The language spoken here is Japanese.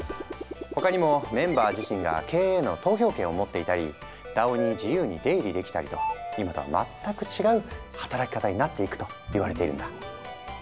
他にもメンバー自身が経営への投票権を持っていたりＤＡＯに自由に出入りできたりと今とは全く違う働き方になっていくと言われているんだ。